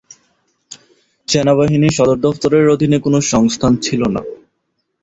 সেনাবাহিনী সদর দফতরের অধীনে কোনও সংস্থান ছিল না।